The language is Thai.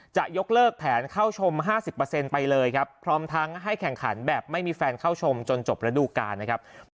จะยกเลิกแผนเข้าชม๕๐ไปเลยครับพร้อมทั้งให้แข่งขันแบบไม่มีแฟนเข้าชมจนจบระดูการนะครับ